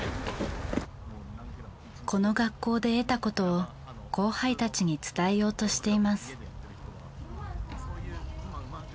この学校で得たことを後輩たちに伝えようとしています。